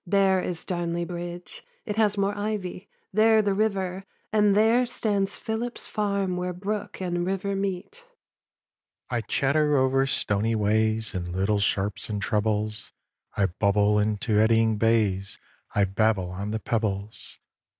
There is Darnley bridge. It has more ivy; there the river; and there Stands Philip's farm where brook and river meet. I chatter over stony ways, In little sharps and trebles, I bubble into eddying bays, I babble on the pebbles.